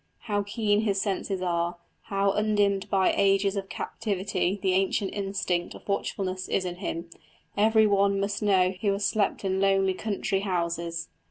How keen his senses are, how undimmed by ages of captivity the ancient instinct of watchfulness is in him, every one must know who has slept in lonely country houses.